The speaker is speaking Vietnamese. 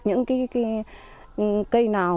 những cái cây nào